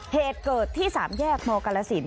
เหตุเกิดที่๓แยกมกรสิน